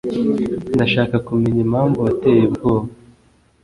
Ndashaka kumenya impamvu wateye ubwoba